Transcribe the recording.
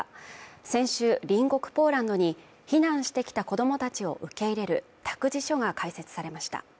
先週、隣国ポーランドに避難してきた子どもたちを受け入れる託児所が開設されました